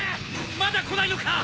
まだ来ないのか？